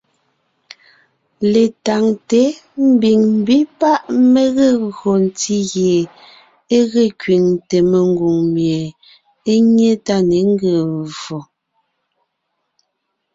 Letáŋte ḿbiŋ ḿbí páʼ mé gee gÿo ntí gie e ge kẅiŋte mengwòŋ mie é nyé tá ne ńgee mvfò.